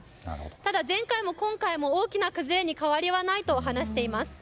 ただ、前回も今回も大きな崩れに変わりはないと話しています。